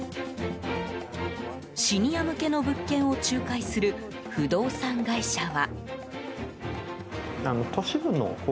シニア向けの物件を仲介する不動産会社は。